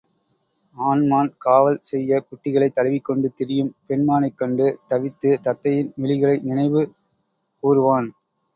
ஆண்மான் காவல் செய்யக் குட்டிகளைத் தழுவிக் கொண்டு திரியும் பெண்மானைக் கண்டு தவித்து, தத்தையின் விழிகளை நினைவு கூருவான்.